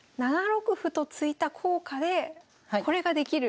７六歩と突いた効果でこれができる。